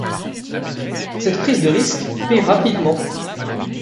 Cette prise de risque paie rapidement.